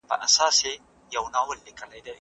ایا ته د ساینس په ډګر کي نوي څه لري؟